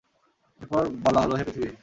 এরপর বলা হলো, হে পৃথিবী!